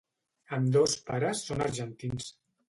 Ambdós pares són argentins.